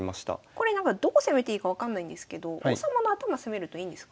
これなんかどう攻めていいか分かんないんですけど王様の頭攻めるといいんですか？